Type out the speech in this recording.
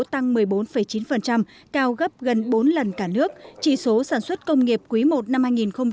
tăng một mươi bốn chín cao gấp gần bốn lần cả nước chỉ số sản xuất công nghiệp quý i năm hai nghìn hai mươi